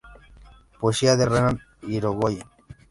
Poesía de Renán Irigoyen